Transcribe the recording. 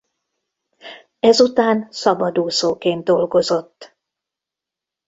Ezután szabadúszóként dolgozott.